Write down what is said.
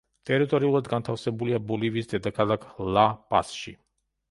ტერიტორიულად განთავსებულია ბოლივიის დე-ფაქტო დედაქალაქ ლა-პასში.